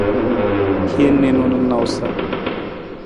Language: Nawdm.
Hin niinu na nawusa.